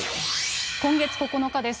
今月９日です。